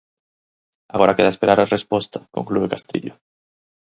Agora queda esperar a reposta, conclúe Castrillo.